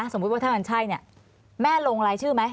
สมมุติว่าถ้ามันใช่เนี่ยแม่ลงรายชื่อไหม